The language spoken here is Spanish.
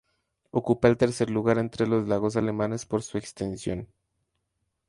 Ocupa el tercer lugar entre los lagos alemanes por su extensión.